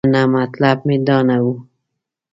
نه نه مطلب مې دا نه و.